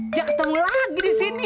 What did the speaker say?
gak ketemu lagi disini